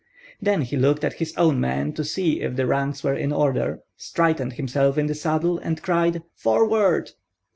Then he looked at his own men to see if the ranks were in order, straightened himself in the saddle, and cried, "Forward!"